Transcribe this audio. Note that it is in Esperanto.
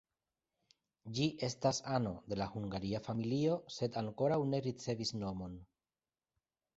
Ĝi estas ano de la hungaria familio sed ankoraŭ ne ricevis nomon.